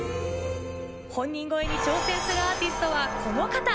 本人超えに挑戦するアーティストはこの方。